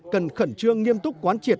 cần khẩn trương nghiêm túc quán triệt